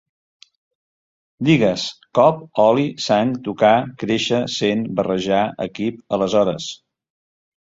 Digues: cop, oli, sang, tocar, créixer, cent, barrejar, equip, aleshores